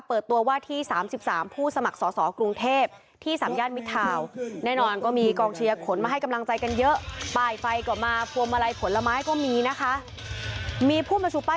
ต่อต้านทั้งนายพิธาริมเจริญรัฐหัวหน้าพักค่ะ